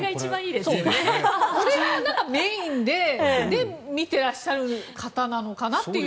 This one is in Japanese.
これがメインで見てらっしゃる方なのかなという。